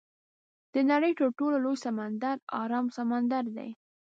د نړۍ تر ټولو لوی سمندر ارام سمندر دی.